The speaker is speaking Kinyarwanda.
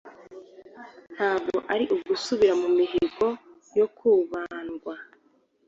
ntabwo ari ugusubira mu mihango yo kubandwa